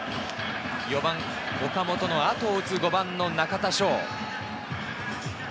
４番・岡本の後を打つ５番・中田翔。